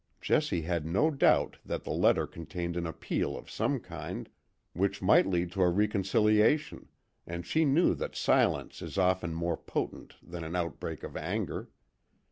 Jessie had no doubt that the letter contained an appeal of some kind, which might lead to a reconciliation, and she knew that silence is often more potent than an outbreak of anger.